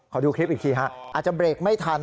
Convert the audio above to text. ดูคลิปอีกทีฮะอาจจะเบรกไม่ทัน